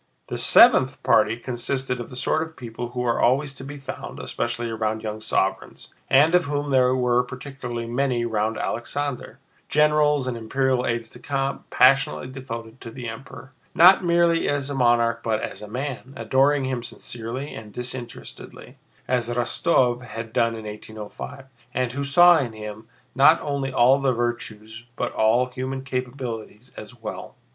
The seventh party consisted of the sort of people who are always to be found, especially around young sovereigns, and of whom there were particularly many round Alexander—generals and imperial aides de camp passionately devoted to the Emperor, not merely as a monarch but as a man, adoring him sincerely and disinterestedly, as Rostóv had done in 1805, and who saw in him not only all the virtues but all human capabilities as well.